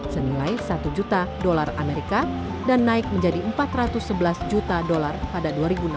senilai satu juta dolar amerika dan naik menjadi empat ratus sebelas juta dolar pada dua ribu enam belas